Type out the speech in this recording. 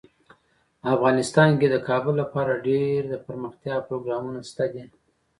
افغانستان کې د کابل لپاره ډیر دپرمختیا پروګرامونه شته دي.